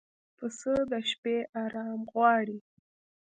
پسه د شپه آرام غواړي.